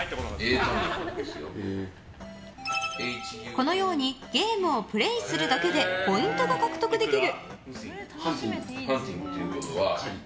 このようにゲームをプレーするだけでポイントが獲得できる。